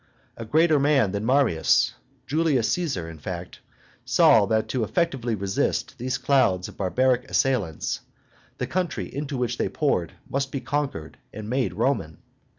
A greater man than Marius, Julius Caesar in fact, saw that to effectually resist these clouds of barbaric assailants, the country into which they poured must be conquered and made Roman.